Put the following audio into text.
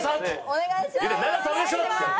お願いします！